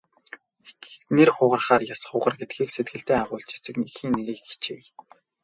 Нэр хугарахаар яс хугар гэдгийг сэтгэлдээ агуулж эцэг эхийн нэрийг хичээе.